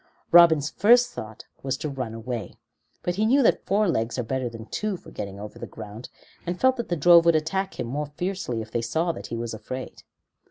Robin's first thought was to run away, but he knew that four legs are better than two for getting over the ground, and felt that the drove would attack him more fiercely if they saw that he was afraid.